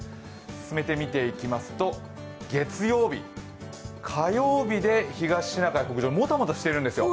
進めて見ていきますと月曜日、火曜日で東シナ海北上、もたもたしているんですよ。